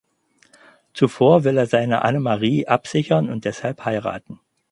Zuvor will er seine Annemarie absichern und deshalb heiraten.